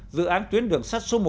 dự án tuyến đường sắt số một